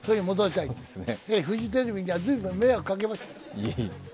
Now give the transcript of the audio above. フジテレビには随分迷惑をかけました。